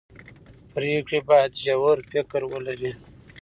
پرېکړې باید ژور فکر ولري